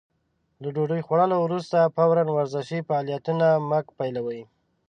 له ډوډۍ خوړلو وروسته فورً ورزشي فعالیتونه مه پيلوئ.